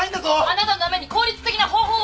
あなたのために効率的な方法を！